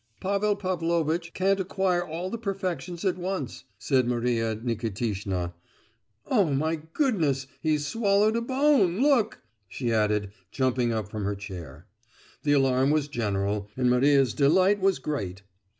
"Pavel Pavlovitch can't acquire all the perfections at once," said Maria Nikitishna. "Oh, my goodness! he's swallowed a bone—look!" she added, jumping up from her chair. The alarm was general, and Maria's delight was great.